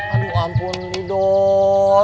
aduh ampun idoi